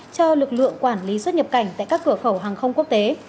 cho lực lượng quản lý xuất nhập cảnh tại các cửa khẩu hàng không quốc tế